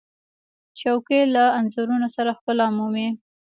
چوکۍ له انځورونو سره ښکلا مومي.